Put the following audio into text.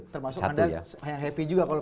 termasuk anda yang happy juga